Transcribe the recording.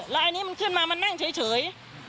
แล้วอันนี้มันขึ้นมามันนั่งเฉย